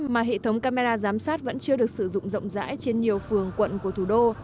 mà hệ thống camera giám sát vẫn chưa được sử dụng rộng rãi trên nhiều phường quận của thủ đô